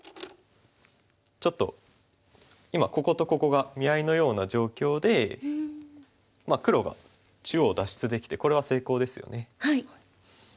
ちょっと今こことここが見合いのような状況で黒が中央脱出できてこれは成功ですよね。